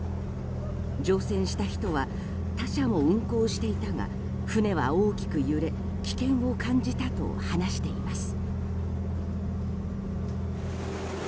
乗船した人は他社も運航していたが船は大きく揺れ危険を感じたと話しています。